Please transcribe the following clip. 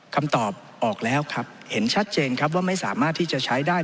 คำตอบออกแล้วครับเห็นชัดเจนครับว่าไม่สามารถที่จะใช้ได้